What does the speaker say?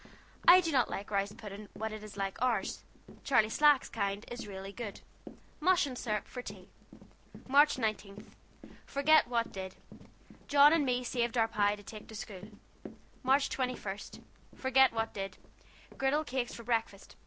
I do not like rice puding when it is like ours. Charley Slack's kind is rele good. Mush and sirup for tea. March 19. Forgit what did. John and me saved our pie to take to schule. March 21. Forgit what did. Gridel cakes for brekfast.